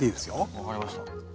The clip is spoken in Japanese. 分かりました。